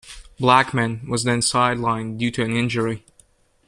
Blackman was then sidelined due to an injury.